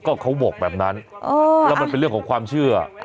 ก็เขาบอกแบบนั้นแล้วมันเป็นเรื่องของความเชื่อ